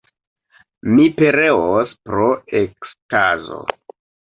Mi pereos pro ekstazo!